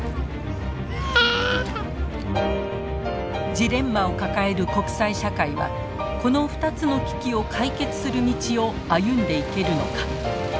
ジレンマを抱える国際社会はこの２つの危機を解決する道を歩んでいけるのか。